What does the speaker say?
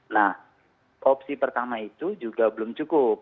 nah opsi pertama itu juga belum cukup